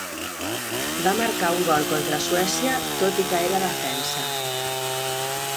Va marcar un gol contra Suècia, tot i que era defensa.